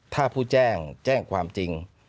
ถ้าผู้แจ้งแจ้งความจริง